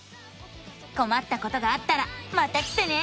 こまったことがあったらまた来てね！